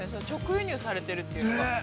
直輸入されているというのが。